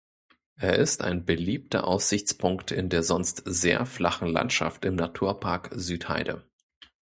Er ist ein beliebter Aussichtspunkt in der sonst sehr flachen Landschaft im Naturpark Südheide.